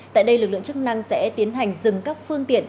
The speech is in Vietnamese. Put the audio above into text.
tại đây lực lượng chức năng sẽ tiến hành dừng các phương tiện